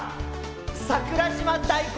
桜島大根。